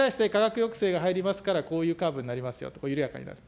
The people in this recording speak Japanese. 、入りますから、こういうカーブになりますよと緩やかになる。